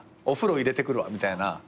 「お風呂入れてくるわ」みたいな。